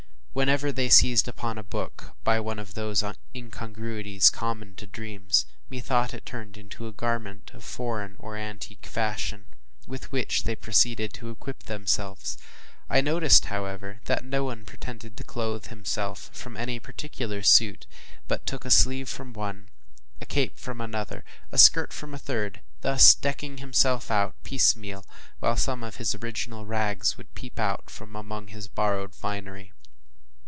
Whenever they seized upon a book, by one of those incongruities common to dreams, methought it turned into a garment of foreign or antique fashion, with which they proceeded to equip themselves. I noticed, however, that no one pretended to clothe himself from any particular suit, but took a sleeve from one, a cape from another, a skirt from a third, thus decking himself out piecemeal, while some of his original rags would peep out from among his borrowed finery.